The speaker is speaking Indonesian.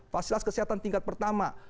fasilitas kesehatan tingkat pertama